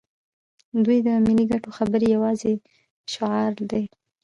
دوی د ملي ګټو خبرې یوازې شعار دي.